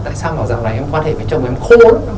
tại sao mà dạo này em quan hệ với chồng em khô lắm